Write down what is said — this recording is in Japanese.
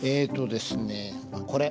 これ。